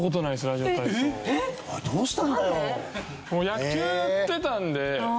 野球やってたんで。